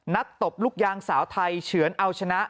ตบลูกยางสาวไทยเฉือนเอาชนะ